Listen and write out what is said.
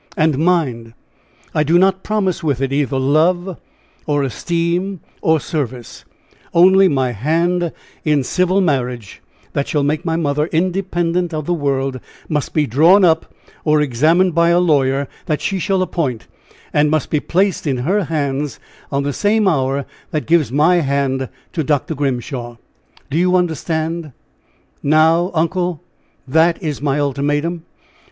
And, mind, I do not promise with it either love, or esteem, or service only my hand in civil marriage, and the estate it has the power of carrying with it! And the documents that shall make my mother independent of the world must be drawn up or examined by a lawyer that she shall appoint, and must be placed in her hands on the same hour that gives my hand to Dr. Grimshaw. Do you understand? Now, uncle, that is my ultimatum!